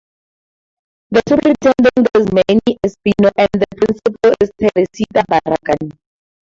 The superintendent is Manny Espino, and the principal is Teresita Barragan.